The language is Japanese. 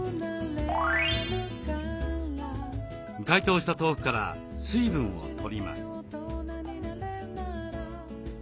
解凍した豆腐から水分を取ります。